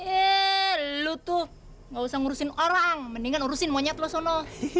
eh lu tuh gak usah ngurusin orang mendingan urusin monyet lo sono